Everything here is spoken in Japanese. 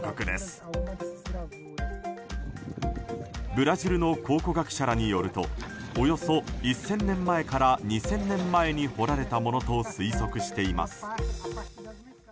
ブラジルの考古学者らによるとおよそ１０００年前から２０００年前に彫られたものと推測しています。